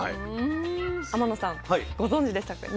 天野さんご存じでしたか？